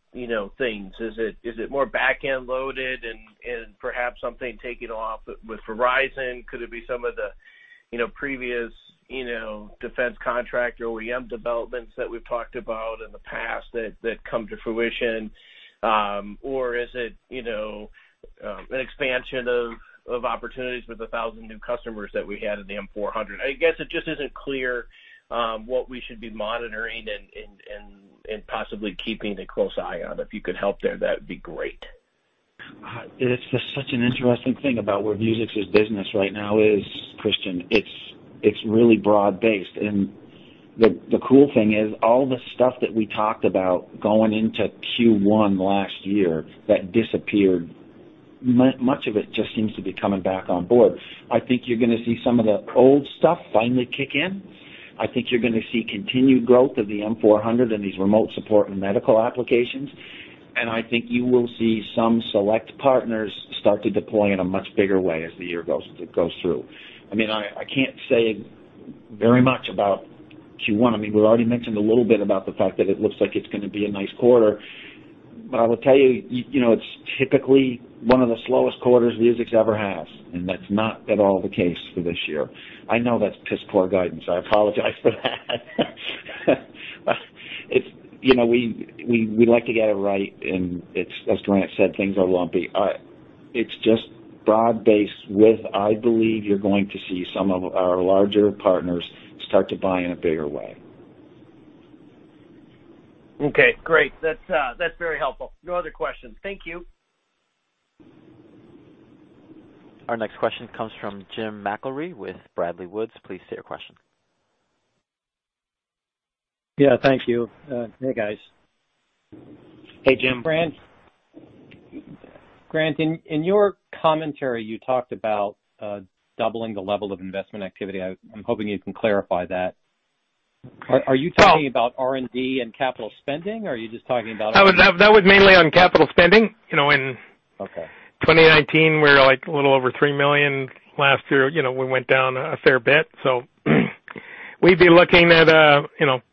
things? Is it more back-end loaded and perhaps something taking off with Verizon? Could it be some of the previous defense contract OEM developments that we've talked about in the past that come to fruition? Or is it an expansion of opportunities with 1,000 new customers that we had in the M400? I guess it just isn't clear what we should be monitoring and possibly keeping a close eye on. If you could help there, that would be great.
It's just such an interesting thing about where Vuzix's business right now is, Christian. It's really broad-based. The cool thing is, all the stuff that we talked about going into Q1 last year that disappeared, much of it just seems to be coming back on board. I think you're gonna see some of the old stuff finally kick in. I think you're gonna see continued growth of the M400 and these remote support and medical applications, and I think you will see some select partners start to deploy in a much bigger way as the year goes through. I can't say very much about Q1. We've already mentioned a little bit about the fact that it looks like it's gonna be a nice quarter. I will tell you, it's typically one of the slowest quarters Vuzix ever has, and that's not at all the case for this year. I know that's piss-poor guidance. I apologize for that. We like to get it right, and as Grant said, things are lumpy. It's just broad-based with, I believe you're going to see some of our larger partners start to buy in a bigger way.
Okay, great. That is very helpful. No other questions. Thank you.
Our next question comes from Jim McIlree with Bradley Woods. Please state your question.
Yeah, thank you. Hey, guys.
Hey, Jim.
Grant, in your commentary, you talked about doubling the level of investment activity. I'm hoping you can clarify that. Are you talking about R&D and capital spending, or are you just talking about-
That was mainly on capital spending.
Okay.
In 2019, we were a little over $3 million. Last year, we went down a fair bit. We'd be looking at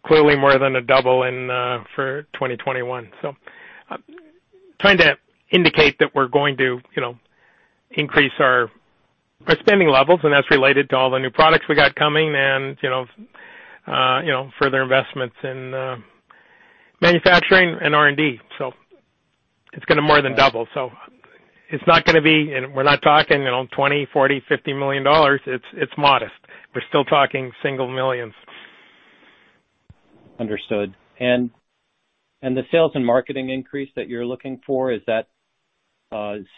clearly more than a double for 2021. Trying to indicate that we're going to increase our spending levels, and that's related to all the new products we got coming and further investments in manufacturing and R&D. It's going to more than double. We're not talking $20 million, $40 million, $50 million. It's modest. We're still talking single millions.
Understood. The sales and marketing increase that you're looking for, is that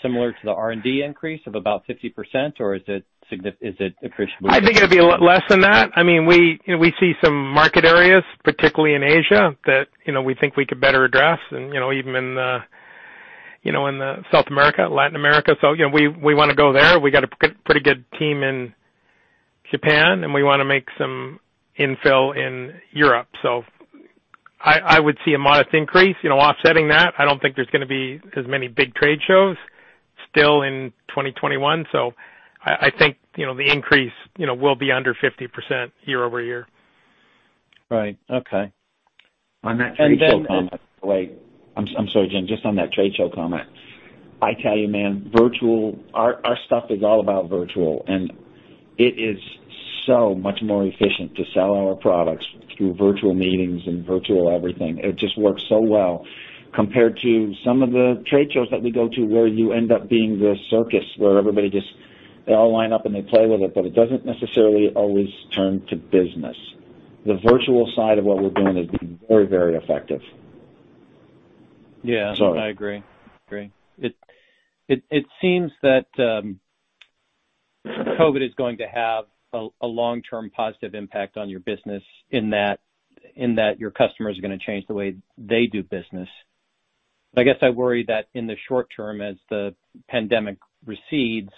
similar to the R&D increase of about 50%, or is it?
I think it'll be a lot less than that. We see some market areas, particularly in Asia, that we think we could better address, and even in South America, Latin America. We want to go there. We've got a pretty good team in Japan, and we want to make some infill in Europe. I would see a modest increase offsetting that. I don't think there's going to be as many big trade shows still in 2021. I think the increase will be under 50% year-over-year.
Right. Okay.
On that trade show comment, wait. I'm sorry, Jim. Just on that trade show comment, I tell you, man, our stuff is all about virtual, and it is so much more efficient to sell our products through virtual meetings and virtual everything. It just works so well compared to some of the trade shows that we go to, where you end up being the circus, where everybody just, they all line up and they play with it, but it doesn't necessarily always turn to business. The virtual side of what we're doing has been very, very effective.
Yeah.
So.
I agree. It seems that COVID is going to have a long-term positive impact on your business in that your customers are going to change the way they do business. I guess I worry that in the short term, as the pandemic recedes,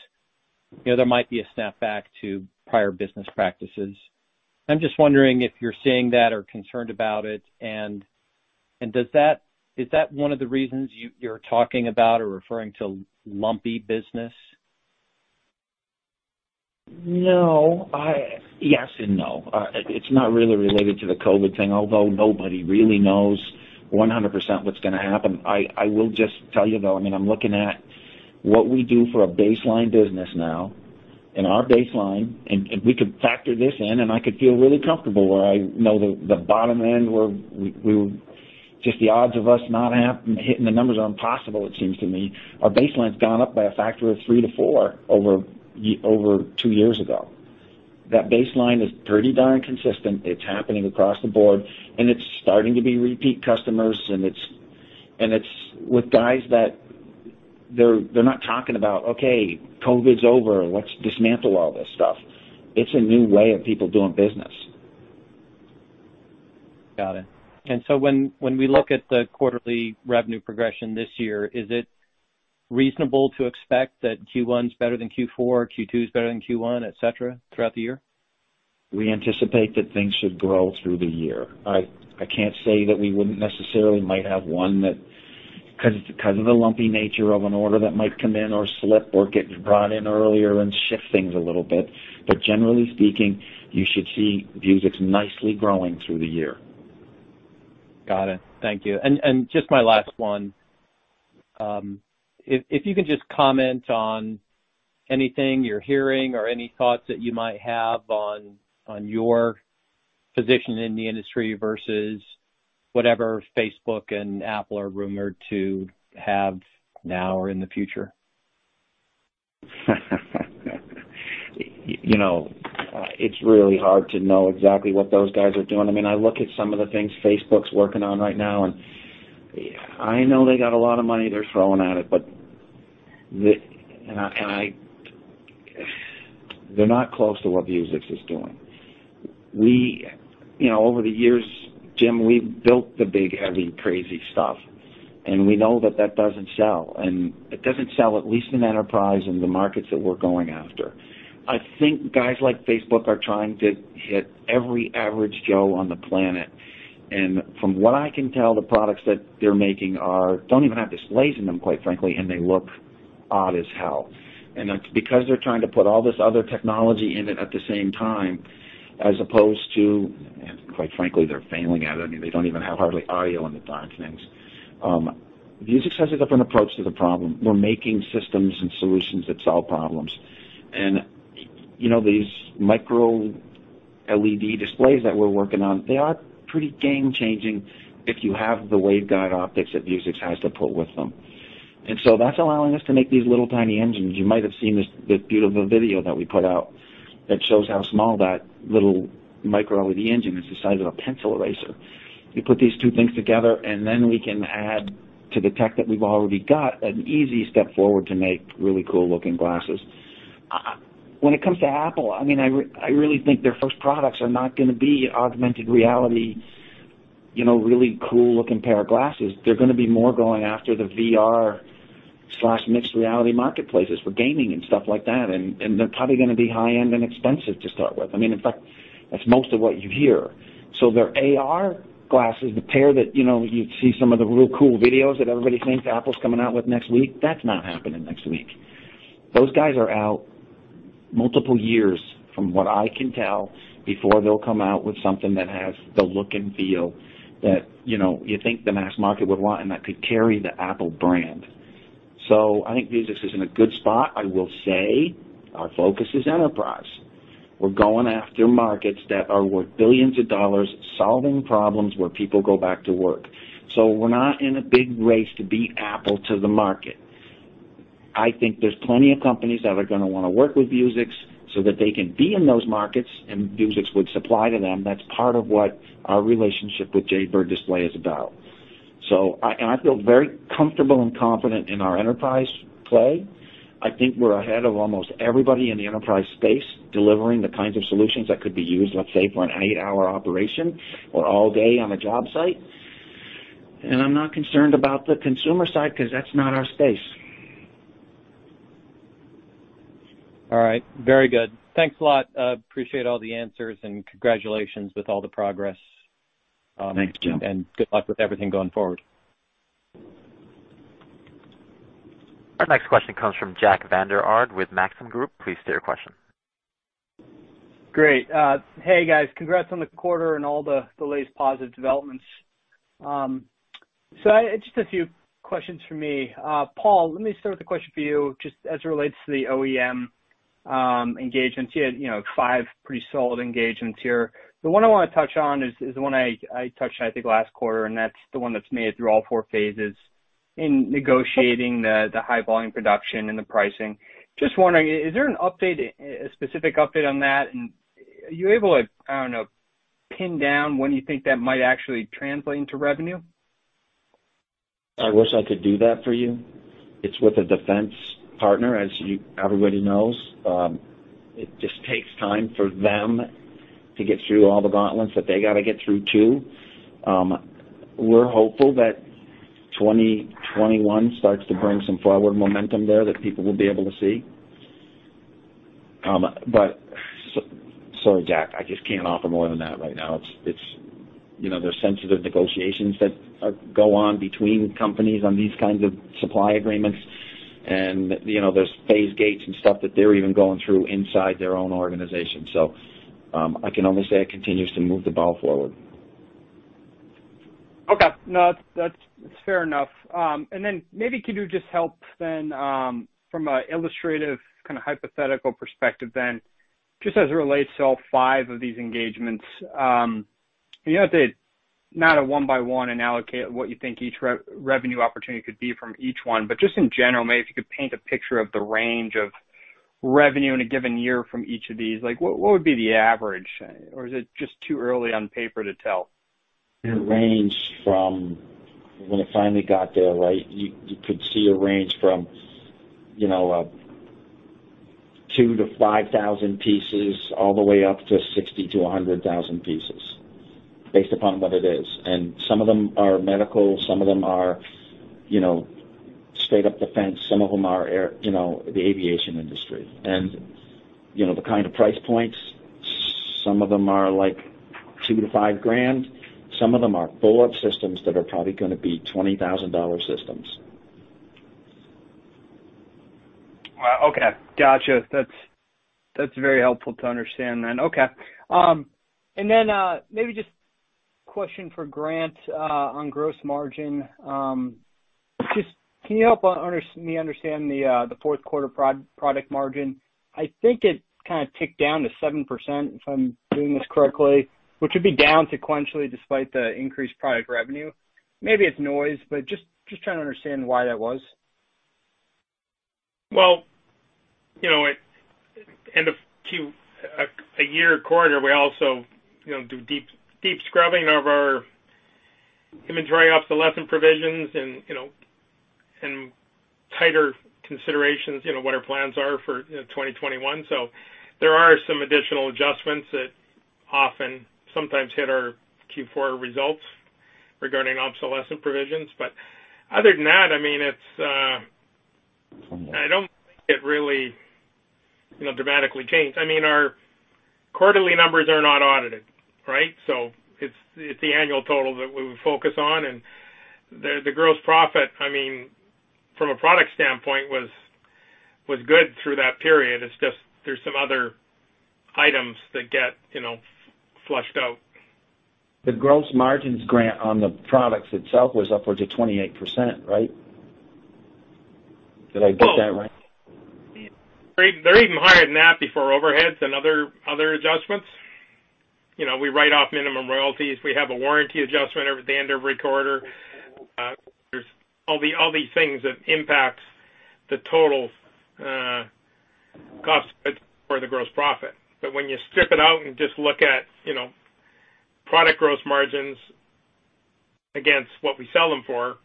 there might be a snap back to prior business practices. I'm just wondering if you're seeing that or concerned about it, is that one of the reasons you're talking about or referring to lumpy business?
No. Yes and no. It's not really related to the COVID thing, although nobody really knows 100% what's going to happen. I will just tell you, though, I'm looking at what we do for a baseline business now, and our baseline, and we could factor this in, and I could feel really comfortable where I know the bottom end where just the odds of us not hitting the numbers are impossible, it seems to me. Our baseline's gone up by a factor of three to four over two years ago. That baseline is pretty darn consistent. It's happening across the board, and it's starting to be repeat customers, and it's with guys that, they're not talking about, "Okay, COVID's over. Let's dismantle all this stuff." It's a new way of people doing business.
Got it. When we look at the quarterly revenue progression this year, is it reasonable to expect that Q1's better than Q4, Q2's better than Q1, et cetera, throughout the year?
We anticipate that things should grow through the year. I can't say that we wouldn't necessarily might have one that, because of the lumpy nature of an order that might come in or slip or get brought in earlier and shift things a little bit. Generally speaking, you should see Vuzix nicely growing through the year.
Got it. Thank you. Just my last one, if you can just comment on anything you're hearing or any thoughts that you might have on your position in the industry versus whatever Facebook and Apple are rumored to have now or in the future?
It's really hard to know exactly what those guys are doing. I look at some of the things Facebook's working on right now, and I know they got a lot of money they're throwing at it, but they're not close to what Vuzix is doing. Over the years, Jim, we've built the big, heavy, crazy stuff, and we know that that doesn't sell. It doesn't sell, at least in enterprise and the markets that we're going after. I think guys like Facebook are trying to hit every average Joe on the planet. From what I can tell, the products that they're making don't even have displays in them, quite frankly, and they look odd as hell. That's because they're trying to put all this other technology in it at the same time as opposed to, quite frankly, they're failing at it. They don't even have hardly audio in the darn things. Vuzix has a different approach to the problem. We're making systems and solutions that solve problems. These microLED displays that we're working on, they are pretty game-changing if you have the waveguide optics that Vuzix has to put with them. That's allowing us to make these little tiny engines. You might have seen this beautiful video that we put out that shows how small that little microLED engine is, the size of a pencil eraser. You put these two things together, we can add to the tech that we've already got an easy step forward to make really cool-looking glasses. When it comes to Apple, I really think their first products are not going to be augmented reality really cool looking pair of glasses. They're going to be more going after the VR/mixed reality marketplaces for gaming and stuff like that, and they're probably going to be high-end and expensive to start with. In fact, that's most of what you hear. Their AR glasses, the pair that you'd see some of the real cool videos that everybody thinks Apple's coming out with next week, that's not happening next week. Those guys are out multiple years, from what I can tell, before they'll come out with something that has the look and feel that you think the mass market would want and that could carry the Apple brand. I think Vuzix is in a good spot. I will say our focus is enterprise. We're going after markets that are worth billions of dollars, solving problems where people go back to work. We're not in a big race to beat Apple to the market. I think there's plenty of companies that are going to want to work with Vuzix so that they can be in those markets, and Vuzix would supply to them. That's part of what our relationship with Jade Bird Display is about. I feel very comfortable and confident in our enterprise play. I think we're ahead of almost everybody in the enterprise space, delivering the kinds of solutions that could be used, let's say, for an eight-hour operation or all day on a job site. I'm not concerned about the consumer side, because that's not our space.
All right. Very good. Thanks a lot. Appreciate all the answers, and congratulations with all the progress.
Thanks, Jim. Good luck with everything going forward.
Our next question comes from Jack Vander Aarde with Maxim Group. Please state your question.
Great. Hey, guys. Congrats on the quarter and all the latest positive developments. Just a few questions from me. Paul, let me start with a question for you, just as it relates to the OEM engagements. You had five pretty solid engagements here. The one I want to touch on is the one I touched on, I think, last quarter, and that's the one that's made it through all four phases in negotiating the high volume production and the pricing. Just wondering, is there a specific update on that? Are you able to, I don't know, pin down when you think that might actually translate into revenue?
I wish I could do that for you. It's with a defense partner, as everybody knows. It just takes time for them to get through all the gauntlets that they got to get through, too. We're hopeful that 2021 starts to bring some forward momentum there that people will be able to see. Sorry, Jack, I just can't offer more than that right now. There's sensitive negotiations that go on between companies on these kinds of supply agreements, and there's phase gates and stuff that they're even going through inside their own organization. I can only say it continues to move the ball forward.
Okay. No, that's fair enough. Maybe could you just help then, from an illustrative kind of hypothetical perspective then, just as it relates to all five of these engagements, you don't have to map a one by one and allocate what you think each revenue opportunity could be from each one, just in general, maybe if you could paint a picture of the range of revenue in a given year from each of these. What would be the average, is it just too early on paper to tell?
It ranged from when it finally got there, you could see a range from 2,000-5,000 pieces all the way up to 60,000-100,000 pieces, based upon what it is. Some of them are medical, some of them are straight up defense. Some of them are the aviation industry. The kind of price points, some of them are like $2,000-$5,000. Some of them are bullet systems that are probably going to be $20,000 systems.
Wow, okay. Got you. That's very helpful to understand then. Okay. Maybe just a question for Grant on gross margin. Can you help me understand the fourth quarter product margin? I think it kind of ticked down to 7%, if I'm doing this correctly, which would be down sequentially despite the increased product revenue. Maybe it's noise, but just trying to understand why that was.
Well, end of a year quarter, we also do deep scrubbing of our inventory obsolescent provisions and tighter considerations, what our plans are for 2021. There are some additional adjustments that often sometimes hit our Q4 results regarding obsolescent provisions. Other than that, I don't think it really dramatically changed. Our quarterly numbers are not audited, right? It's the annual total that we would focus on, and the gross profit, from a product standpoint, was good through that period. It's just there's some other items that get flushed out.
The gross margins, Grant, on the products itself was upwards of 28%, right? Did I get that right?
They're even higher than that before overheads and other adjustments. We write off minimum royalties. We have a warranty adjustment at the end of every quarter. There's all these things that impacts the total cost for the gross profit. When you strip it out and just look at product gross margins against what we sell them for,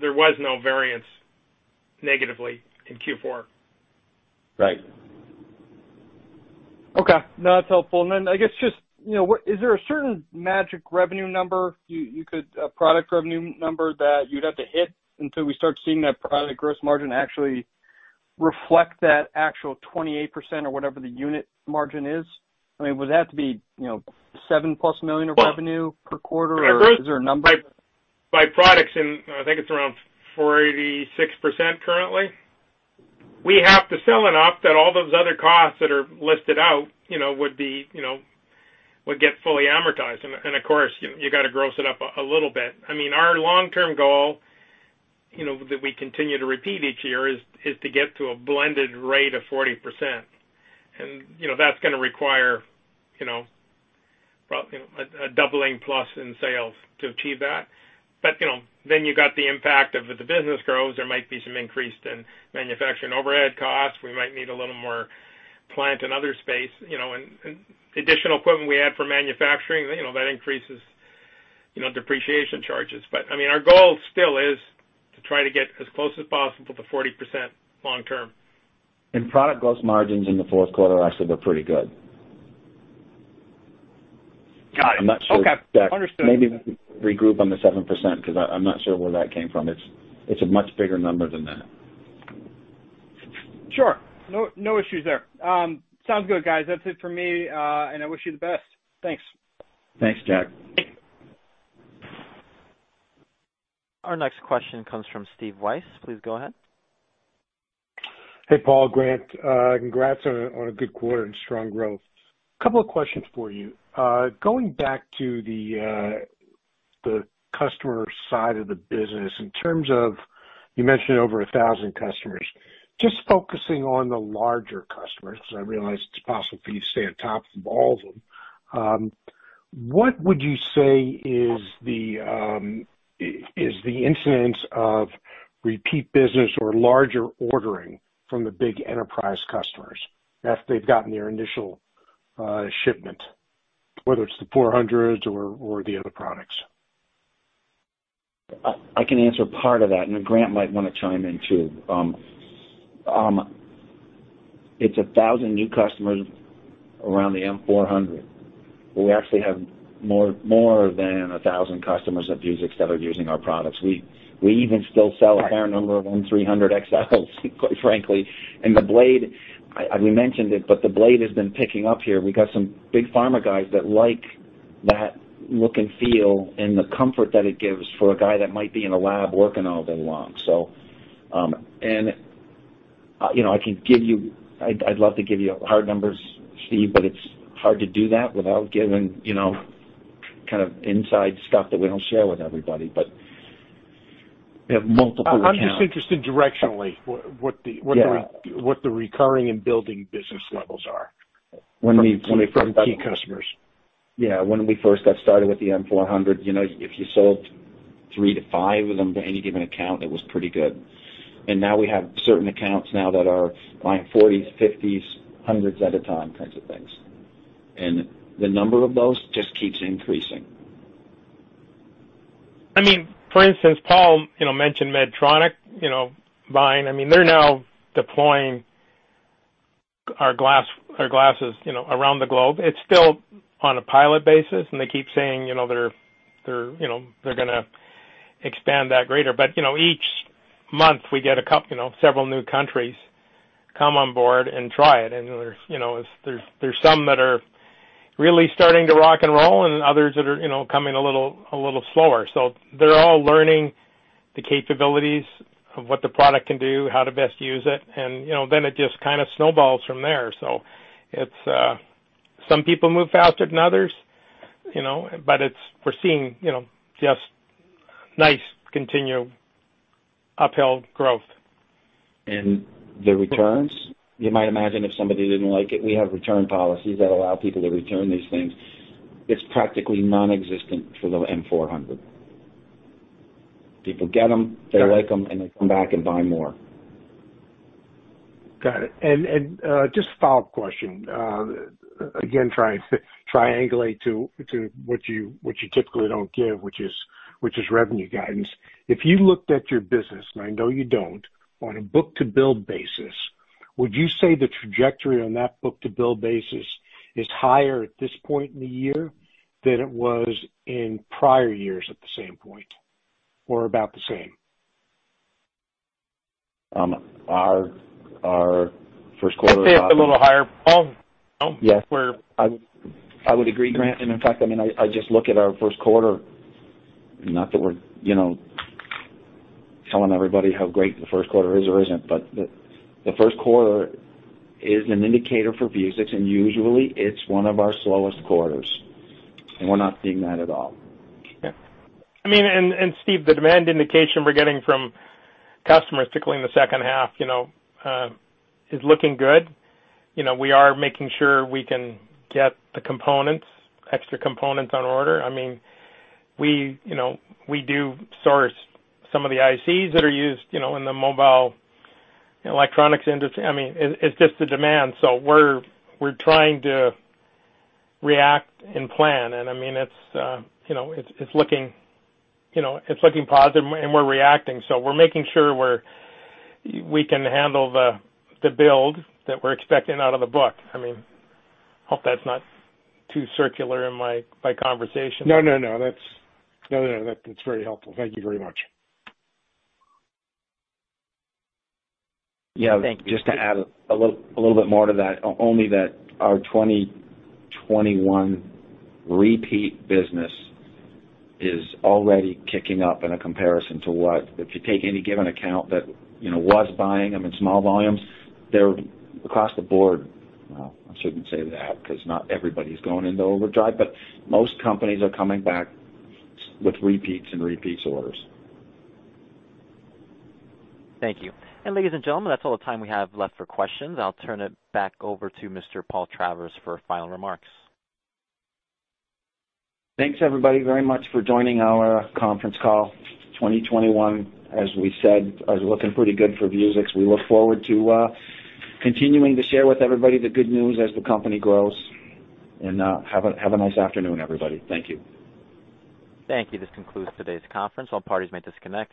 there was no variance negatively in Q4.
Right.
Okay. No, that's helpful. I guess just, is there a certain magic revenue number, a product revenue number that you'd have to hit until we start seeing that product gross margin actually reflect that actual 28% or whatever the unit margin is? Would that have to be $7+ million of revenue per quarter, or is there a number?
By products, I think it's around 46% currently. We have to sell enough that all those other costs that are listed out would get fully amortized. Of course, you've got to gross it up a little bit. Our long-term goal that we continue to repeat each year is to get to a blended rate of 40%. That's going to require a doubling plus in sales to achieve that. You got the impact of, if the business grows, there might be some increase in manufacturing overhead costs. We might need a little more plant and other space, and additional equipment we add for manufacturing, that increases depreciation charges. Our goal still is to try to get as close as possible to 40% long term.
Product gross margins in the fourth quarter actually were pretty good.
Got it. Okay. Understood.
Maybe we can regroup on the 7%, because I'm not sure where that came from. It's a much bigger number than that.
Sure. No issues there. Sounds good, guys. That's it for me, and I wish you the best. Thanks.
Thanks, Jack.
Our next question comes from Stephen Weiss. Please go ahead.
Hey, Paul, Grant. Congrats on a good quarter and strong growth. Couple of questions for you. Going back to the customer side of the business, in terms of, you mentioned over 1,000 customers. Just focusing on the larger customers, because I realize it's impossible for you to stay on top of all of them. What would you say is the incidence of repeat business or larger ordering from the big enterprise customers after they've gotten their initial shipment, whether it's the 400s or the other products?
I can answer part of that, and then Grant might want to chime in, too. It's 1,000 new customers around the M400, but we actually have more than 1,000 customers at Vuzix that are using our products. We even still sell a fair number of M300XLs, quite frankly. The Blade, we mentioned it, but the Blade has been picking up here. We got some big pharma guys that like that look and feel and the comfort that it gives for a guy that might be in a lab working all day long. I'd love to give you hard numbers, Steve, but it's hard to do that without giving inside stuff that we don't share with everybody, but we have multiple accounts.
I'm just interested directionally what the.
Yeah.
recurring and building business levels are from key customers.
Yeah. When we first got started with the M400, if you sold three to five of them to any given account, that was pretty good. Now we have certain accounts now that are buying 40s, 50s, 100s at a time kinds of things. The number of those just keeps increasing.
For instance, Paul mentioned Medtronic buying. They're now deploying our glasses around the globe. It's still on a pilot basis. They keep saying they're going to expand that greater. Each month we get several new countries come on board and try it, and there's some that are really starting to rock and roll and others that are coming a little slower. They're all learning the capabilities of what the product can do, how to best use it, and then it just kind of snowballs from there. Some people move faster than others, but we're seeing just nice continued uphill growth.
The returns, you might imagine if somebody didn't like it, we have return policies that allow people to return these things. It's practically nonexistent for the M400. People get them, they like them, and they come back and buy more.
Got it. Just a follow-up question. Again, trying to triangulate to what you typically don't give, which is revenue guidance. If you looked at your business, and I know you don't, on a book-to-bill basis, would you say the trajectory on that book-to-build basis is higher at this point in the year than it was in prior years at the same point, or about the same?
Our first quarter-
I'd say it's a little higher, Paul.
Yes. I would agree, Grant, and in fact, I just look at our first quarter, not that we're telling everybody how great the first quarter is or isn't, but the first quarter is an indicator for Vuzix, and usually it's one of our slowest quarters, and we're not seeing that at all.
Yeah. Steve, the demand indication we're getting from customers particularly in the second half is looking good. We are making sure we can get the extra components on order. We do source some of the ICs that are used in the mobile electronics industry. It's just the demand. We're trying to react and plan, and it's looking positive, and we're reacting. We're making sure we can handle the build that we're expecting out of the book. I hope that's not too circular in my conversation.
No, that's very helpful. Thank you very much.
Yeah.
Thank you.
Just to add a little bit more to that, only that our 2021 repeat business is already kicking up in a comparison to what, if you take any given account that was buying them in small volumes, they are across the board. Well, I shouldn't say that because not everybody's going into overdrive, but most companies are coming back with repeats and orders.
Thank you. Ladies and gentlemen, that's all the time we have left for questions. I'll turn it back over to Mr. Paul Travers for final remarks.
Thanks everybody very much for joining our conference call. 2021, as we said, is looking pretty good for Vuzix. We look forward to continuing to share with everybody the good news as the company grows. Have a nice afternoon, everybody. Thank you.
Thank you. This concludes today's conference. All parties may disconnect.